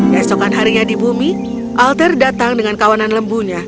keesokan harinya di bumi alter datang dengan kawanan lembunya